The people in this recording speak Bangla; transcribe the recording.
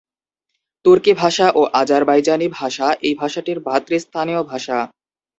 তুর্কি ভাষা ও আজারবাইজানি ভাষা এই ভাষাটির ভ্রাতৃস্থানীয় ভাষা।